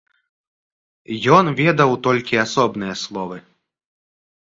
Ён ведаў толькі асобныя словы.